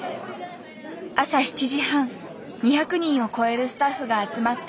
朝７時半２００人を超えるスタッフが集まった。